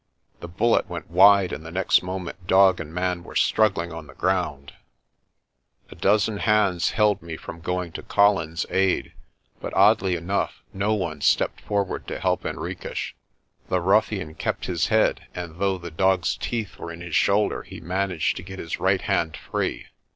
The bullet went wide and the next moment dog and man were struggling on the ground. INANDA'S KRAAL 193 A dozen hands held me from going to Colin's aid, but oddly enough no one stepped forward to help Henriques. The ruffian kept his head and though the dog's teeth were in his shoulder, he managed to get his right hand free.